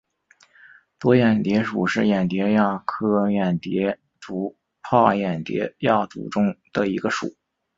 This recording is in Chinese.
多眼蝶属是眼蝶亚科眼蝶族帕眼蝶亚族中的一个属。